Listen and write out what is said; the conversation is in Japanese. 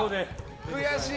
悔しい。